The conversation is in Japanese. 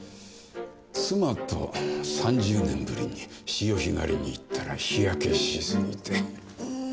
妻と３０年ぶりに潮干狩りに行ったら日焼けしすぎてうーん。